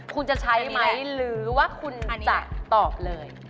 คุณจะใช้ไหมหรือว่าคุณจะตอบเลย